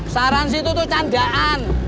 saran situ tuh candaan